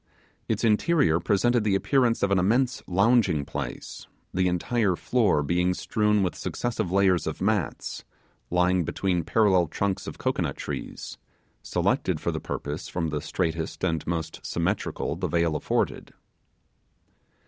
Its interior presented the appearance of an immense lounging place, the entire floor being strewn with successive layers of mats, lying between parallel trunks of cocoanut trees, selected for the purpose from the straightest and most symmetrical the vale afforded.